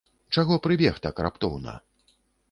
Чаго прыбег так раптоўна?